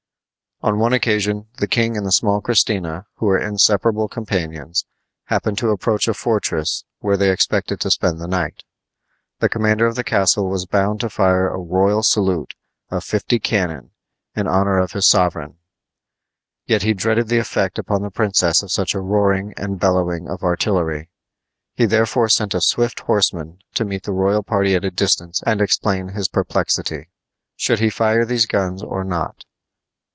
On one occasion the king and the small Christina, who were inseparable companions, happened to approach a fortress where they expected to spend the night. The commander of the castle was bound to fire a royal salute of fifty cannon in honor of his sovereign; yet he dreaded the effect upon the princess of such a roaring and bellowing of artillery. He therefore sent a swift horseman to meet the royal party at a distance and explain his perplexity. Should he fire these guns or not?